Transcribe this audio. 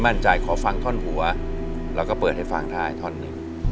ไม่มั่นใจขอฟังท่อนหัวเราก็เปิดให้ฟังท่อนหนึ่ง